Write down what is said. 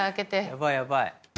やばいやばい。